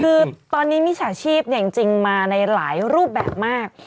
คือตอนนี้มิจฉาชีพจริงมาในหลายรูปแบบมาก